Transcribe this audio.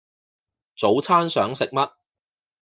早餐想食乜？